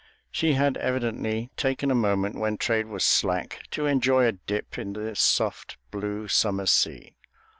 She had evidently taken a moment when trade was slack to enjoy a dip in the soft, blue, summer sea.